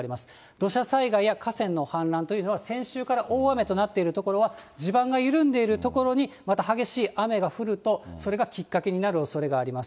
土砂災害や河川の氾濫というのは、先週から大雨となっている所は、地盤が緩んでいる所に、また激しい雨が降ると、それがきっかけになるおそれがあります。